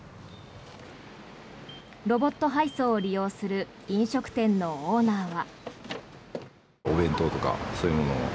ロボット配送を利用する飲食店のオーナーは。